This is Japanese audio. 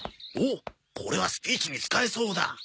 おおこれはスピーチに使えそうだ。